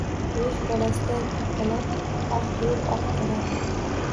O‘z bolasiday papalab, oq yuvib, oq taradi